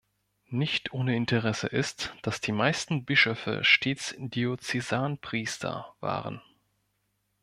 Nicht ohne Interesse ist, dass die meisten Bischöfe stets Diözesanpriester waren.